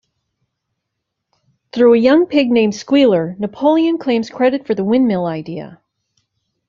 Through a young pig named Squealer, Napoleon claims credit for the windmill idea.